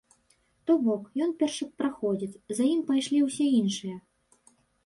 То бок, ён першапраходзец, за ім пайшлі ўсе іншыя.